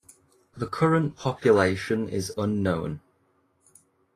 The current population is unknown.